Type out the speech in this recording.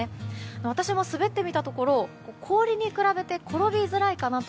私も滑ってみたところ氷に比べて転びづらいかなと。